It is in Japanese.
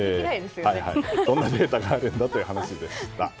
こんなデータがあるんだという話でした。